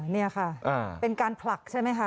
เนี่ยค่ะเป็นการผลักใช่มั้ยคะ